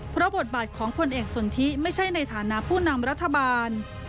เพราะบทบาทของผลเอกสนทิไม่ใช่ในฐานะผู้นำรัฐบาล